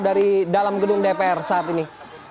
dari dalam gedung dpr saat ini